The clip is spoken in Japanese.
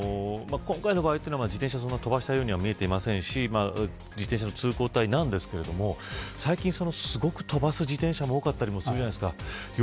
今回の場合、自転車はそんなに飛ばしたようには見えていませんし自転車の通行帯ですが、最近すごく飛ばす自転車も多かったりするじゃないですか。